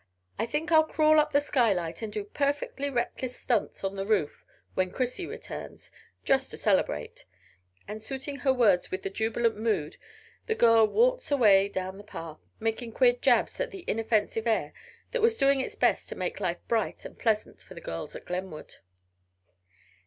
I think I'll crawl up the skylight and do perfectly reckless stunts on the roof when Chrissy returns just to celebrate," and suiting her words with the jubilant mood the girl waltzed away down the path, making queer "jabs" at the inoffensive air that was doing its best to make life bright and pleasant for the girls at Glenwood.